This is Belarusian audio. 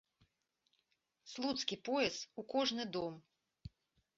Слуцкі пояс у кожны дом!